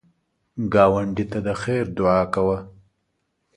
ګاونډي ته د خیر دعا کوه